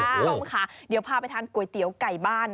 ครับคุณคุณค่ะเดี๋ยวพาไปทานก๋วยเตี๋ยวไก่บ้าน